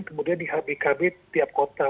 kemudian di hbkb tiap kota